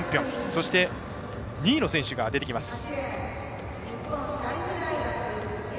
そして、２位の選手が出てきます。